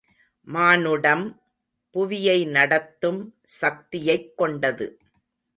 மானுடம் புவியை நடத்தும் சக்தியைக் கொண்டது.